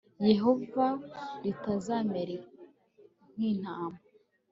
Yehova ritazamera nk intama